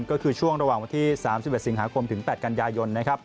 ก็คือช่วงระหว่างวันที่๓๑สิงหาคมถึง๘กันยายนนะครับ